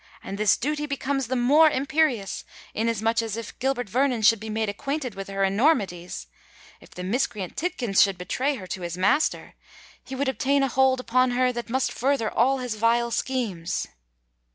And this duty becomes the more imperious, inasmuch as if Gilbert Vernon should be made acquainted with her enormities—if the miscreant Tidkins should betray her to his master—he would obtain a hold upon her that must further all his vile schemes."